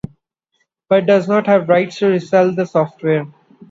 But does not have the right to resell the software.